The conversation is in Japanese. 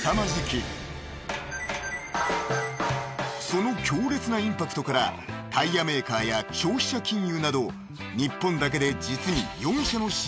［その強烈なインパクトからタイヤメーカーや消費者金融など］